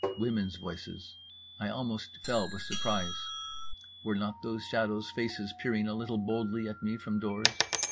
Women's voices … I almost fell with surprise. Were not those shadows' faces peering a little boldly at me from doors?